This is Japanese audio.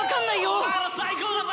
「お前ら最高だぜ！